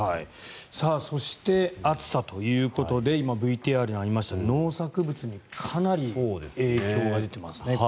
そして、暑さということで今、ＶＴＲにありました農作物にかなり影響が出ていますね。